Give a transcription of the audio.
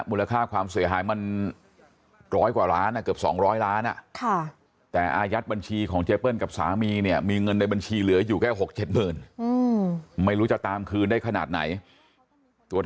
มูลค่าความเสียหายมันร้อยกว่าร้านอะเกือบ๒๐๐ล้านอะ